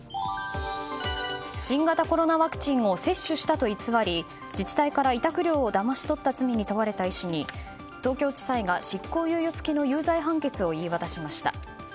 新型コロナワクチンを接種したと偽り自治体から委託量をだまし取った罪に問われた医師に東京地裁が執行猶予付きの有罪判決を言い渡しました。